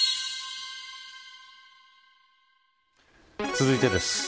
続いてです。